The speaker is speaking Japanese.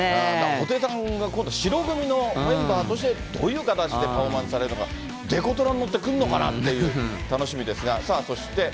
布袋さんが今度、白組のメンバーとして、どういう形でパフォーマンスされるのか、デコトラに乗ってくるのかなって、楽しみですが、そして。